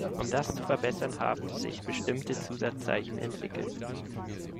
Um das zu verbessern, haben sich bestimmte Zusatzzeichen entwickelt.